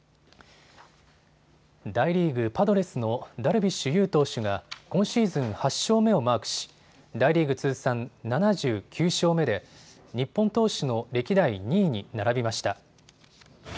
大リーグ・パドレスのダルビッシュ有投手が今シーズン８勝目をマークし、大リーグ通算７９勝目で、日本投手の歴代２位に並びました。